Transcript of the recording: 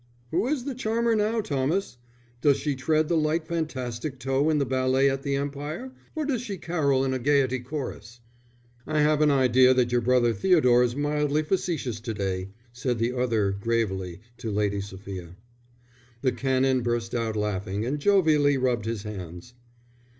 "Who is the charmer now, Thomas? Does she tread the light fantastic toe in the ballet at the Empire, or does she carol in a Gaiety chorus?" "I have an idea that your brother Theodore is mildly facetious to day," said the other gravely to Lady Sophia. The Canon burst out laughing and jovially rubbed his hands.